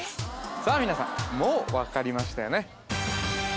さあ皆さんもう分かりましたよね